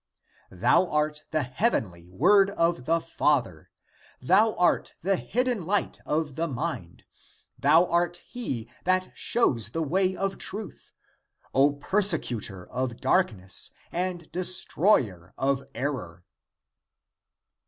Thou art the heavenly word of the Father ; thou art the hidden light of the mind; thou art he that shows the way of truth; O persecutor of dark ness and destroyer of error."